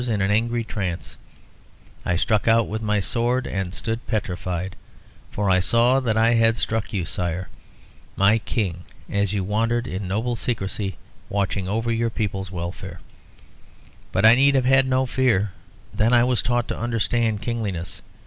In an angry trance I struck out with my sword, and stood petrified, for I saw that I had struck you, Sire, my King, as you wandered in a noble secrecy, watching over your people's welfare. But I need have had no fear. Then was I taught to understand Kingliness.